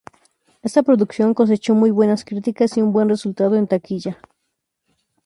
Esta producción cosechó muy buenas críticas y un buen resultado en taquilla.